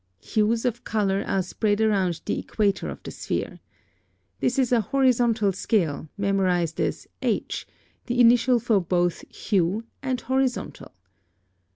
Hues of color are spread around the equator of the sphere. This is a horizontal scale, memorized as H, the initial for both hue and horizontal.